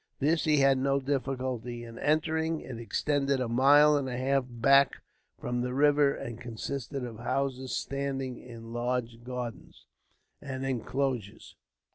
This he had no difficulty in entering. It extended a mile and a half back from the river, and consisted of houses standing in large gardens and inclosures.